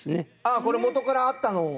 ああこれ元からあったのを。